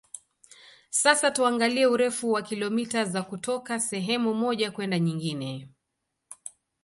Sasa tuangalie urefu wa kilomita za kutoka sehemu moja kwenda nyingine